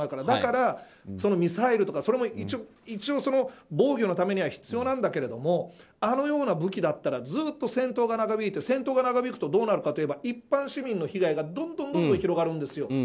だから、ミサイルとかそれも一応、防御のためには必要なんだけれどもあのような武器だったらずっと戦闘が長引いて戦闘が長引くとどうなるかといえば一般市民の被害がどんどん広がるんですよ。